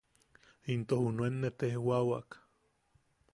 Into junuen nee tejwawak.